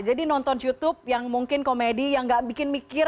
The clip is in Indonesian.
jadi nonton youtube yang mungkin komedi yang gak bikin mikir